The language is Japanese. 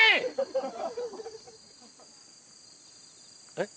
えっ？